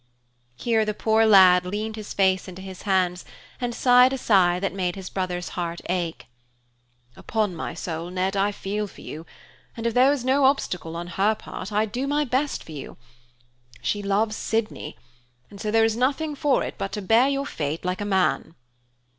Here the poor lad leaned his face into his hands and sighed a sigh that made his brother's heart ache. "Upon my soul, Ned, I feel for you; and if there was no obstacle on her part, I'd do my best for you. She loves Sydney, and so there is nothing for it but to bear your fate like a man."